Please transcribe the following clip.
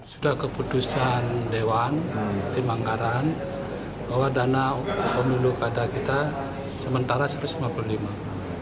sudah keputusan dewan tim anggaran bahwa dana umum lulu kata kita sementara rp satu ratus lima puluh lima miliar